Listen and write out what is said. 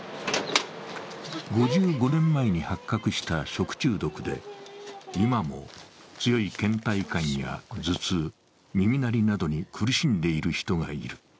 ５５年前に発覚した食中毒で今も強いけん怠感やー頭痛、耳鳴りなどに苦しんでいる人がいる。